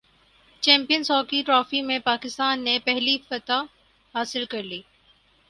champions hockey trophy میں پاکستان نے پہلی فتح حاصل کرلی